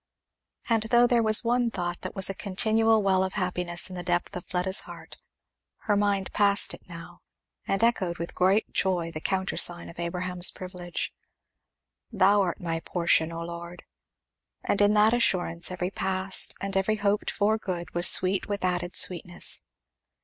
And though there was one thought that was a continual well of happiness in the depth of Fleda's heart, her mind passed it now, and echoed with great joy the countersign of Abraham's privilege, "Thou art my portion, O Lord!" And in that assurance every past and every hoped for good was sweet with added sweetness.